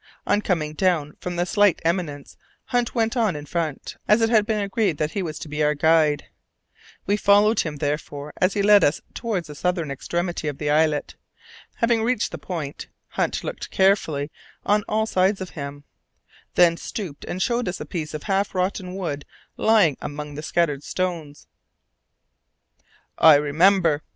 On coming down from the slight eminence Hunt went on in front, as it had been agreed that he was to be our guide. We followed him therefore, as he led us towards the southern extremity of the islet. Having reached the point, Hunt looked carefully on all sides of him, then stooped and showed us a piece of half rotten wood lying among the scattered stones. "I remember!"